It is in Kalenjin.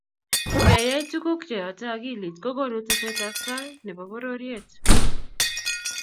ngeyai tukuk che yote akilit ko konu teset ab tai ne bo pororiet